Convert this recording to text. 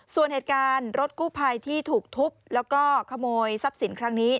ส่วนเหตุการณ์รถกู้ภัยที่ถูกทุบแล้วก็ขโมยทรัพย์สินครั้งนี้